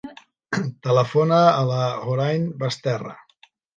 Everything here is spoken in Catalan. Telefona a la Hoorain Basterra.